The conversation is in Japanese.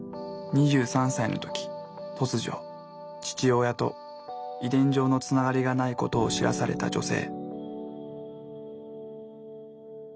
２３歳の時突如父親と遺伝上のつながりがないことを知らされた女性。